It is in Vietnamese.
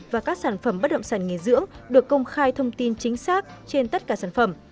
và các sản phẩm bất động sản nghỉ dưỡng được công khai thông tin chính xác trên tất cả sản phẩm